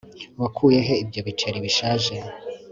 Wakuye he ibyo biceri bishaje